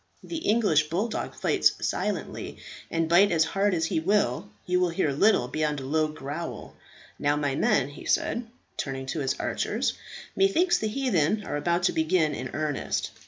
The English bulldog fights silently, and bite as hard as he will, you will hear little beyond a low growl. Now, my men," he said, turning to his archers, "methinks the heathen are about to begin in earnest.